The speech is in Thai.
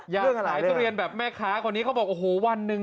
อยากขายทุเรียนแบบแม่ค้าครอบครั้งนี้เขาบอกวันนึง